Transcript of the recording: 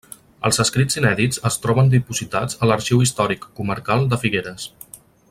Els escrits inèdits es troben dipositats a l’Arxiu Històric Comarcal de Figueres.